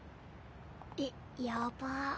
えっやばっ！